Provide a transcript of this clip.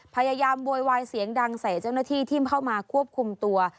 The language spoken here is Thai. โวยวายเสียงดังใส่เจ้าหน้าที่ที่เข้ามาควบคุมตัว